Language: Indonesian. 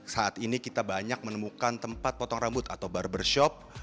saat ini kita banyak menemukan tempat potong rambut atau barbershop